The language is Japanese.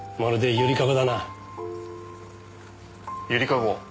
ゆりかご？